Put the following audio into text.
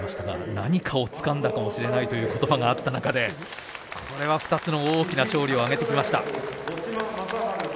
何かをつかんだかもしれないという言葉があった中でこれは２つの大きな勝利を挙げました。